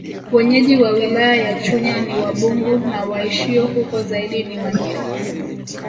Wenyeji wa wilaya ya Chunya ni Wabungu na waishio huko zaidi ni Wanyiha